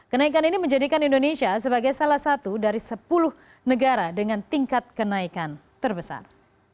kenaikan ini menjadikan indonesia sebagai salah satu dari sepuluh negara dengan tingkat kenaikan terbesar